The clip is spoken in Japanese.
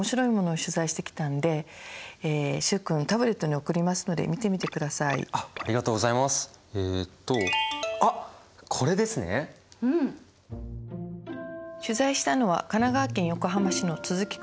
取材したのは神奈川県横浜市の都筑区。